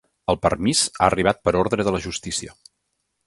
El permís ha arribat per ordre de la justícia.